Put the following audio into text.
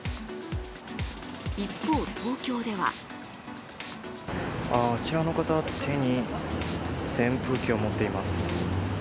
一方、東京ではあちらの方は手に扇風機を持っています。